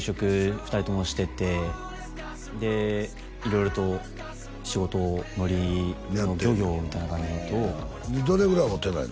２人ともしててで色々と仕事のりの漁業みたいな感じのとどれぐらい会うてないの？